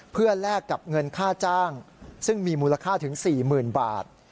เพื่อแลกกับเงินค่าจ้างซึ่งมีมูลค่าถึง๔๐๐๐บาท